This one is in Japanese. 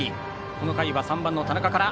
この回は３番の田中から。